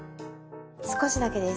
少しだけです。